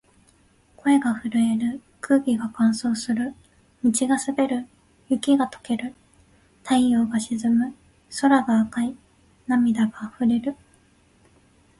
声が震える。空気が乾燥する。道が滑る。雪が解ける。太陽が沈む。空が赤い。涙が溢れる。